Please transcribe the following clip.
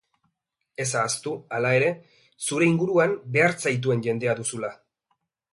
Ez ahaztu, hala ere, zure inguruan behar zaituen jendea duzula.